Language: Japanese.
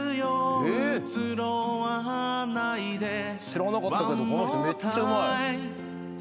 知らなかったけどこの人めっちゃうまい。